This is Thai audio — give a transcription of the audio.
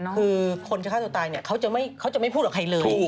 คือคนจะฆ่าตัวตายเนี่ยเขาจะไม่พูดกับใครเลย